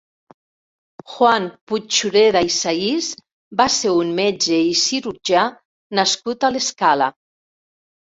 Juan Puig-Sureda i Sais va ser un metge i cirurgià nascut a l'Escala.